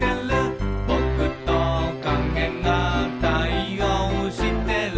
「ぼくと影が対応してる」